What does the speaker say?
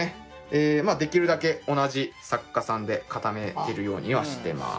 まあできるだけ同じ作家さんで固めてるようにはしてます。